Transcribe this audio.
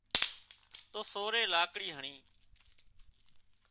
تو سورئي لاڪڙي هڻي